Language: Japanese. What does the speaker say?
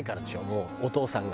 もうお父さんが。